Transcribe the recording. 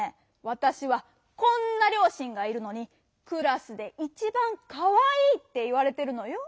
わたしは「こんなりょうしんがいるのにクラスで一ばんかわいい」っていわれてるのよ。